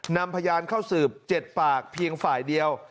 นำพยานเข้าสืบ๗ปากเพียงฝ่ายเดียว